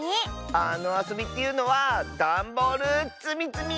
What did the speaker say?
あのあそびっていうのはダンボールつみつみ！